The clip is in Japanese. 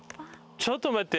ちょっと待って！